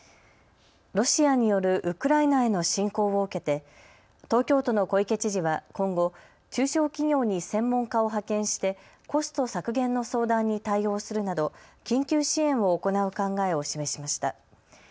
ロシアによるウクライナへの侵攻を受けて東京都の小池知事は今後、中小企業に専門家を派遣してコスト削減の相談に対応するなど緊急支援を行う考えを示しました。